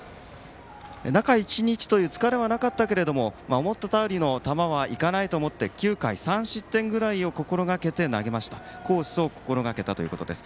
中１日という疲れはなかったけれども思ったとおりの球はいかないと思って９回３失点ぐらいの投球コースを心がけたということです。